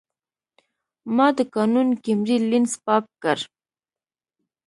ما د کانون کیمرې لینز پاک کړ.